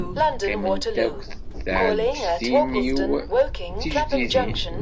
Qqiment akk tɛelǧtin-iw d tijdidin.